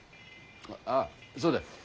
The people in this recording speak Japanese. あそうだ。